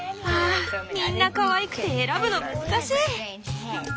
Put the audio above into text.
ああみんなかわいくて選ぶの難しい。